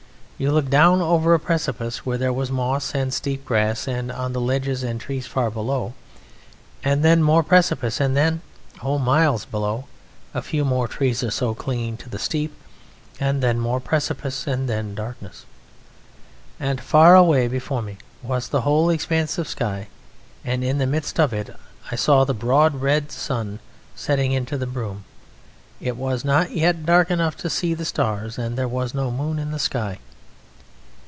You looked down over a precipice where there was moss and steep grass, and on the ledges trees far below, and then more precipice, and then oh, miles below a few more trees or so clinging to the steep, then more precipice, and then darkness; and far away before me was the whole expanse of sky; and in the midst of it I saw the broad red sun setting into the brume; it was not yet dark enough to see the stars, and there was no moon in the sky.